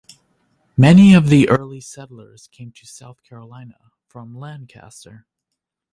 Many of the early settlers came to South Carolina from Lancaster.